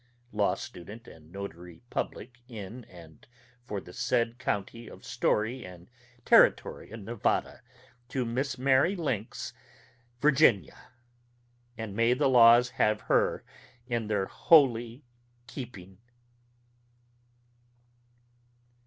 Law Student, and Notary Public in and for the said County of Storey, and Territory of Nevada. To Miss Mary Links, Virginia (and may the laws have her in their holy keeping).